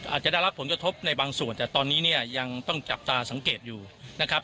อาจจะได้รับผลกระทบในบางส่วนแต่ตอนนี้เนี่ยยังต้องจับตาสังเกตอยู่นะครับ